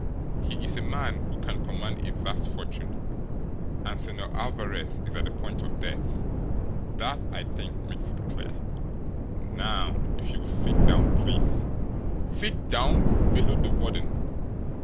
"He is a man who can command a vast fortune and Señor Alvarez is at the point of death. That, I think, makes it clear. Now, if you'll sit down, please!" "Sit down?" bellowed the warden.